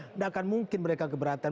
tidak akan mungkin mereka keberatan